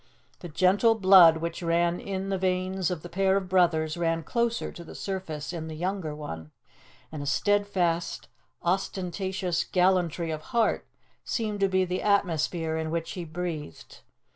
The gentle blood which ran in the veins of the pair of brothers ran closer to the surface in the younger one; and a steadfast, unostentatious gallantry of heart seemed to be the atmosphere in which he breathed.